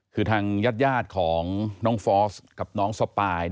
คือทางญาติของน้องฟอสกับน้องสปาย